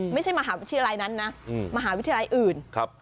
ไม่ใช่มหาวิทยาลัยนั้นนะมหาวิทยาลัยอื่น